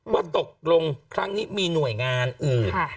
ว่าตกลงครั้งนี้มีหน่วยงานอื่น